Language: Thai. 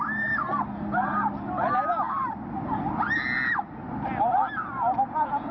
เหิดโคลนปีศากาศ